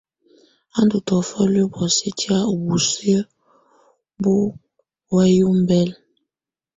Á ndù tɔ̀ofɔ luǝ́ bɔ̀ósɛ tɛ̀á ú busiǝ́ bù wǝ̀yi ɔmbɛla.